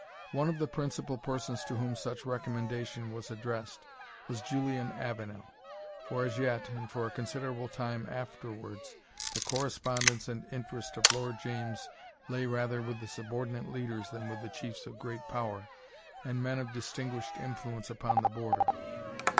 One of the principal persons to whom such recommendation was addressed, was Julian Avenel; for as yet, and for a considerable time afterwards, the correspondence and interest of Lord James lay rather with the subordinate leaders than with the chiefs of great power, and men of distinguished influence upon the Border.